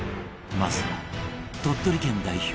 まずは鳥取県代表